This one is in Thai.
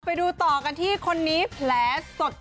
ไปดูต่อกันที่คนนี้แผลสด